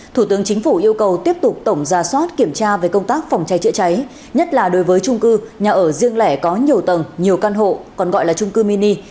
thủ tướng chính phủ yêu cầu tiếp tục tổng ra soát kiểm tra về công tác phòng cháy chữa cháy nhất là đối với trung cư nhà ở riêng lẻ có nhiều tầng nhiều căn hộ còn gọi là trung cư mini